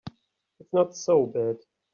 It's not so bad.